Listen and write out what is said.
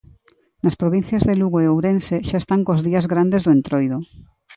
Nas provincias de Lugo e Ourense xa están cos días grandes do Entroido.